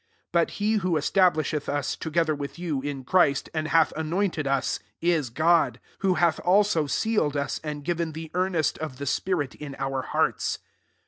21 But he who es tablisheth us, together with you,, in Christ, and hath anointed us,. is God : 22 who hath also seal ed us, and given the earnest of the spirit in our hearts.